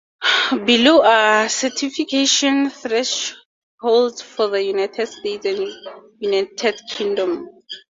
Below are certification thresholds for the United States and United Kingdom.